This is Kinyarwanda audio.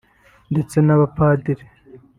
ndetse n’abapadiri